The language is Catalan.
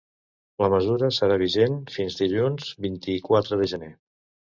La mesura serà vigent fins dilluns, vint-i-quatre de gener.